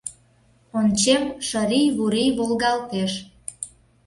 Ончем — шырий-вурий волгалтеш